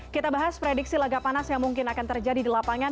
kita bahas prediksi laga panas yang mungkin akan terjadi di lapangan